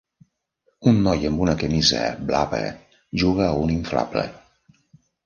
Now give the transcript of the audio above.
Un noi amb una camisa blava juga a un inflable.